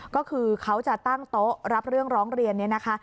ก็คือเขาจะตั้งโต๊ะรับเรื่องร้องเรียนนี้นะคะ